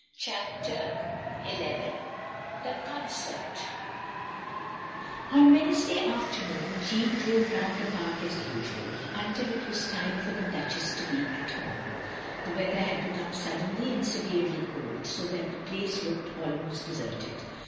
CHAPTER XI THE CXDNCERT On Wednesday afternoon Jeanne drove rotind the Park as tisual, until it was time for the Duchess to be At Home. The weather had become suddenly and severely cold, so that the place looked almost deserted.